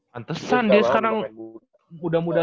pantesan dia sekarang udah muda